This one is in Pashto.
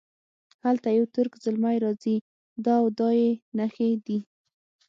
هلته یو ترک زلمی راځي دا او دا یې نښې دي.